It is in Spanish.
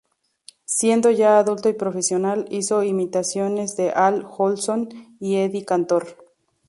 Siendo ya adulto y profesional, hizo imitaciones de Al Jolson y Eddie Cantor.